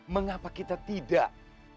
mengapa kita tidak